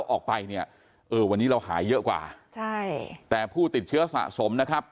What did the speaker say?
ออกไปเนี่ยเออวันนี้เราหายเยอะกว่าใช่แต่ผู้ติดเชื้อสะสมนะครับ